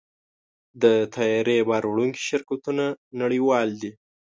د طیارې بار وړونکي شرکتونه نړیوال دي.